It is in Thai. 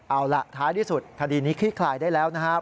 เอาล่ะท้ายที่สุดคดีนี้คลี่คลายได้แล้วนะครับ